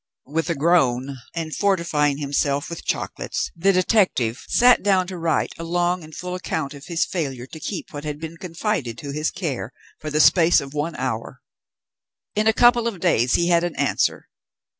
With a groan, and fortifying himself with chocolates, the detective sat down to write a long and full account of his failure to keep what had been confided to his care, for the space of one hour. In a couple of days he had an answer.